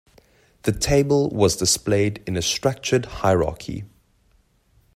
The table was displayed in a structured hierarchy.